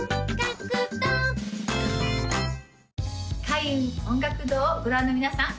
開運音楽堂をご覧の皆さん